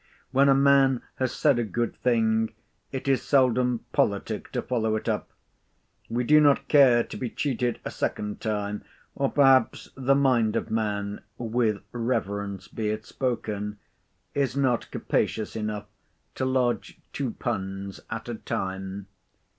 When a man has said a good thing, it is seldom politic to follow it up. We do not care to be cheated a second time; or, perhaps, the mind of man (with reverence be it spoken) is not capacious enough to lodge two puns at a time.